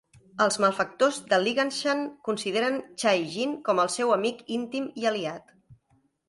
Els malfactors de Liangshan consideren Chai Jin com el seu amic íntim i aliat.